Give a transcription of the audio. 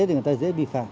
thì người ta dễ bị pha